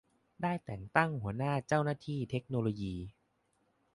ได้แต่งตั้งหัวหน้าเจ้าหน้าที่เทคโนโลยี